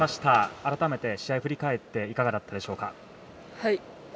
改めて、試合を振り返っていかがだったでしょうか？